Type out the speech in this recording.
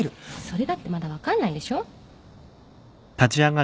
それだってまだ分かんないでしょ。